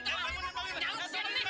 nyak bangunin bangunin